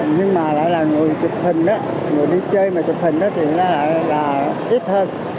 nhưng mà lại là người chụp hình đó người đi chơi mà chụp hình thì nó lại là ít hơn